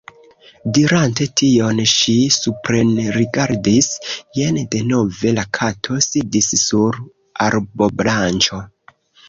Dirante tion, ŝi suprenrigardis. Jen denove la Kato sidis sur arbobranĉo.